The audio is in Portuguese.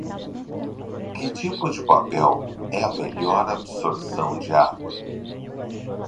Que tipo de papel é a melhor absorção de água?